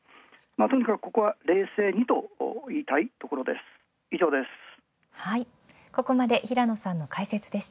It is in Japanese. とにかくここは冷静にといいたいところです。